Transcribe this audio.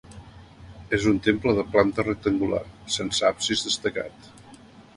És un temple de planta rectangular, sense absis destacat.